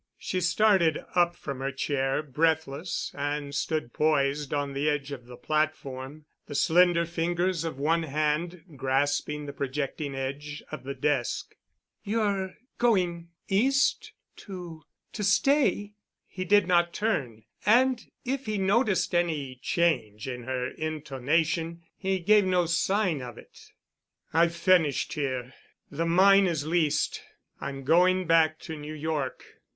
She started up from her chair, breathless, and stood poised on the edge of the platform, the slender fingers of one hand grasping the projecting edge of the desk. "You're—going—East to—to stay?" He did not turn, and, if he noticed any change in her intonation, he gave no sign of it. "I've finished here. The mine is leased. I'm going back to New York."